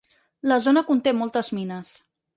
La zona conté moltes mines.